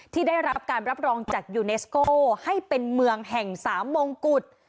ที่ได้รับการรับรองจากยูเนสโกให้เป็นเมืองแห่งสามมงกุฎ